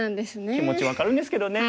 気持ち分かるんですけどね。